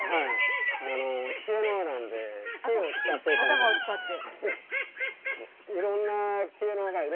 頭を使って。